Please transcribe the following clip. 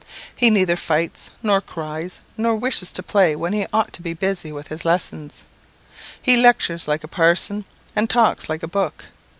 He neither fights, nor cries, nor wishes to play when he ought to be busy with his lessons; he lectures like a parson, and talks like a book.